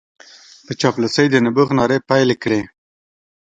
په چاپلوسۍ د نبوغ نارې پېل کړې.